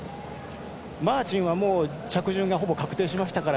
マーティンは着順がほぼ確定しましたから